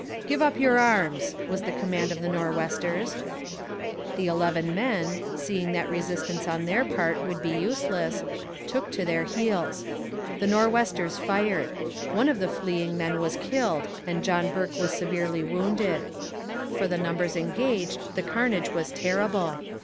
'Give up your arms,' was the command of the Nor'westers. The eleven men, seeing that resistance on their part would be useless, took to their heels. The Nor'westers fired; one of the fleeing men was killed and John Bourke was severely wounded. For the numbers engaged the carnage was terrible.